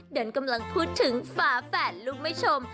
เดินกำลังพูดถึงฝาแฝดลูกแม่ชม